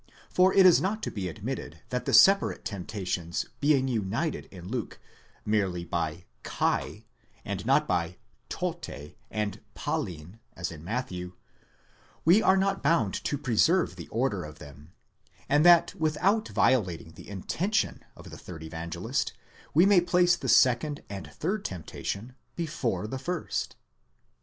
For it is not to be admitted that the separate temptations being united in Luke merely by καὶ, and not by τότε and πάλιν as in Matthew, we are not bound to preserve the order of them, and that without violating the intention of the third Evangelist we may place the second and third temptation before the first.